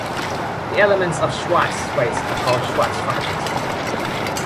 The elements of Schwartz space are called Schwartz functions.